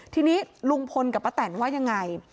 ทีนี้ลุงพลกับป้าแตนว่ายังไง